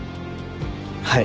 はい。